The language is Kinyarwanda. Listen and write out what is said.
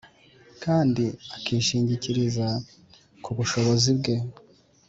kandi akishingikiriza ku bushobozi Bwe.